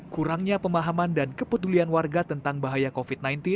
kurangnya pemahaman dan kepedulian warga tentang bahaya covid sembilan belas